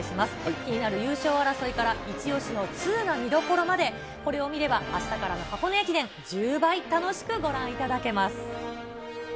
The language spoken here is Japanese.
気になる優勝争いから、一押しの通な見どころまで、これを見れば、あしたからの箱根駅伝、１０倍楽しくご覧いただけます。